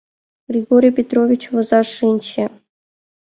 Григорий Петрович возаш шинче.